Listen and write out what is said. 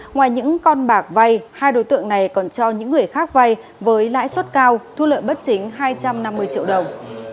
ngoài những con bạc vay hai đối tượng này còn cho những người khác vay với lãi suất cao thu lợi bất chính hai trăm năm mươi triệu đồng